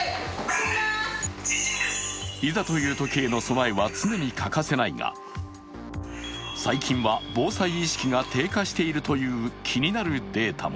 いざというときへの備えは常に欠かせないが最近は防災意識が低下しているという気になるデータも。